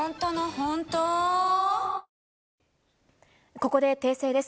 ここで訂正です。